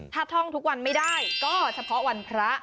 ถ้าท่องทุกวันไม่ได้ก็เฉพาะวันพระ